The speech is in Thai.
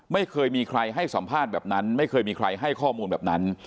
ไม่เคยมีใครให้สัมภาษณ์แบบนั้นไม่เคยมีใครให้ข้อมูลแบบนั้น